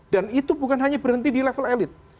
itu bukan hanya berhenti di level elit